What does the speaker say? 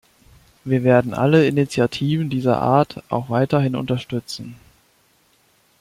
Wir werden alle Initiativen dieser Art auch weiterhin unterstützen.